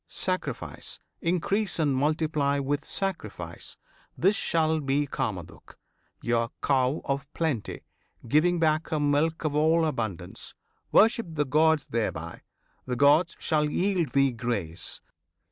sacrifice! Increase and multiply With sacrifice! This shall be Kamaduk, Your 'Cow of Plenty,' giving back her milk Of all abundance. Worship the gods thereby; The gods shall yield thee grace.